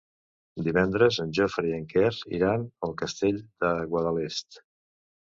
Divendres en Jofre i en Quer iran al Castell de Guadalest.